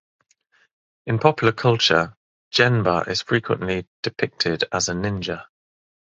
In popular culture, Genba is frequently depicted as a ninja.